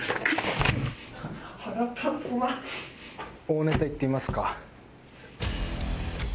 大ネタいってみますか。